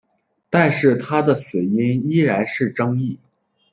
但是他的死因依然是争议。